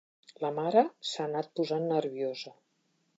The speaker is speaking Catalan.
La mare s'ha anat posant nerviosa.